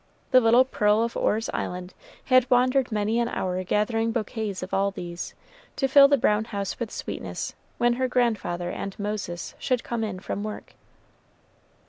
The little Pearl of Orr's Island had wandered many an hour gathering bouquets of all these, to fill the brown house with sweetness when her grandfather and Moses should come in from work.